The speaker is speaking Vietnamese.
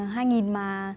hai nghìn mà